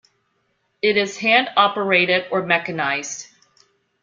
It is hand operated or mechanized.